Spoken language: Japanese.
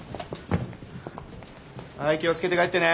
はい気を付けて帰ってね。